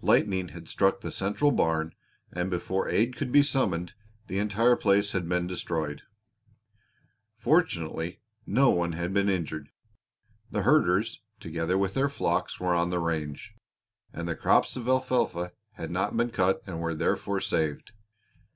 Lightning had struck the central barn, and before aid could be summoned the entire place had been destroyed. Fortunately no one had been injured. The herders, together with their flocks, were on the range; and the crops of alfalfa had not been cut and were therefore saved.